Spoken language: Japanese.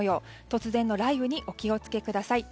突然の雷雨にお気をつけください。